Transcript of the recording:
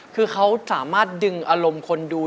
คือเขาสามารถดึงอารมณ์คนดู